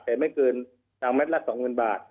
แต่ไม่เกินจังหลังแมตรละ๒๐๐๐บาท